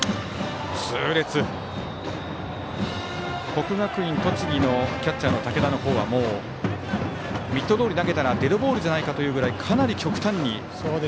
国学院栃木のキャッチャーの武田はもうミットどおり投げたらデッドボールじゃないかというくらいかなり極端に。